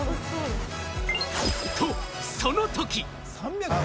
と、その時！